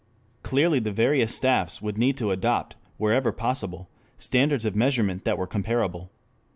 Clearly the various staffs would need to adopt, wherever possible, standards of measurement that were comparable.